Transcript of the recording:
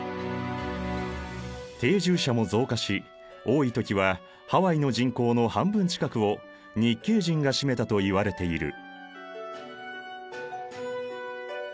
定住者も増加し多い時はハワイの人口の半分近くを日系人が占めたといわれている。